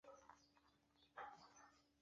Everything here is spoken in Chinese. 但是我反对把宗教装扮成科学。